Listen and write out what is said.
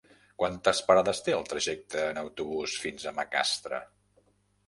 Quantes parades té el trajecte en autobús fins a Macastre?